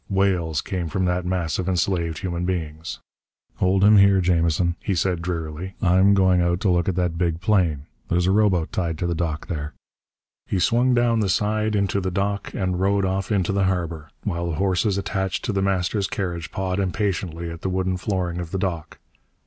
Wails came from that mass of enslaved human beings. "Hold him here, Jamison," he said drearily. "I'm going out to look at that big plane. There's a rowboat tied to the dock, here." He swung down the side into the dock and rowed off into the harbor, while the horses attached to The Master's carriage pawed impatiently at the wooden flooring of the dock.